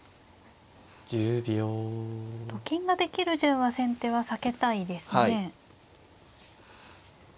１０秒。と金ができる順は先手は避けたいですね。